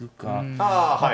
ああはい。